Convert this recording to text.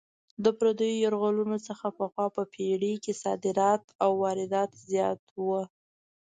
د پردیو یرغلونو څخه پخوا په پېړۍ کې صادرات او واردات زیات وو.